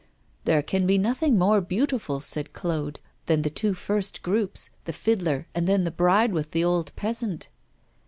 'There can be nothing more beautiful,' said Claude, 'than the two first groups, the fiddler, and then the bride with the old peasant.